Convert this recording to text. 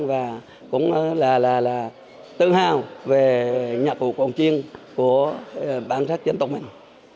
và cũng là tự hào về nhạc vụ cồng chiêng của bản thân dân tộc mình